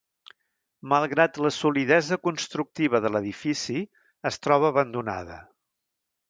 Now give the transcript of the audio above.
Malgrat la solidesa constructiva de l'edifici, es troba abandonada.